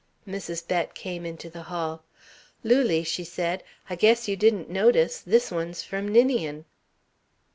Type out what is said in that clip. Mrs. Bett came into the hall. "Lulie," she said, "I guess you didn't notice this one's from Ninian."